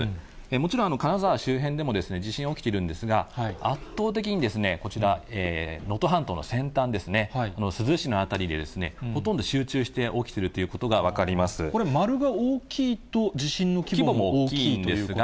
もちろん、金沢周辺でも地震が起きているんですが、圧倒的にこちら、能登半島の先端ですね、この珠洲市の辺りでほとんど集中して起きているということが分かこれ、丸が大きいと地震の規模も大きいということなんですか？